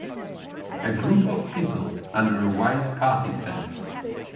a group of people under a white party tent.